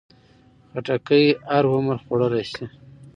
خټکی هر عمر خوړلی شي.